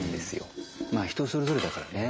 まあ人ぞれぞれだからね。